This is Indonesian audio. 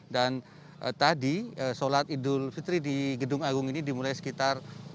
dan tadi solat idul fitri di gedung agung ini dimulai sekitar